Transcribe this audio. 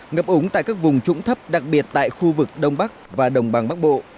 ngập ống tại các vùng trũng thấp đặc biệt tại khu vực đông bắc và đồng bằng bắc bộ